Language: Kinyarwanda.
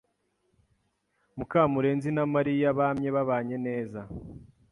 Mukamurenzi na Mariya bamye babanye neza.